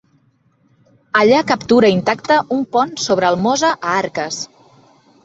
Allà captura intacte un pont sobre el Mosa a Arques.